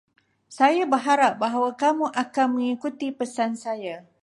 Saya berharap bahawa kamu akan mengikuti pesan saya.